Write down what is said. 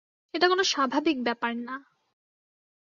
এটা কোন স্বাভাবিক ব্যাপার না!